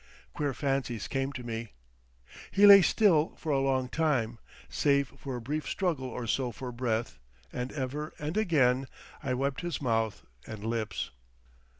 Queer fancies came to me.... He lay still for a long time, save for a brief struggle or so for breath and ever and again I wiped his mouth and lips.